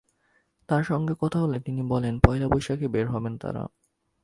তাঁর সঙ্গে কথা হলে তিনি বলেন, পয়লা বৈশাখে বের হবেন তাঁরা।